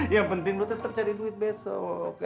yang penting lu tetap cari duit besok